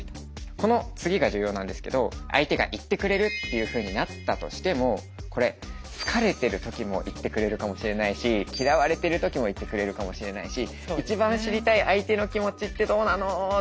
この次が重要なんですけど相手が行ってくれるっていうふうになったとしてもこれ好かれてる時も行ってくれるかもしれないし嫌われてる時も行ってくれるかもしれないしってなっちゃったり。